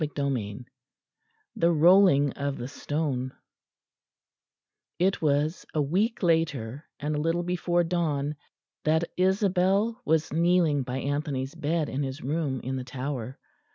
CHAPTER XV THE ROLLING OF THE STONE It was a week later, and a little before dawn, that Isabel was kneeling by Anthony's bed in his room in the Tower.